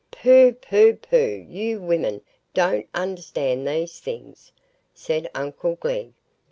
"Pooh, pooh, pooh! you women don't understand these things," said uncle Glegg.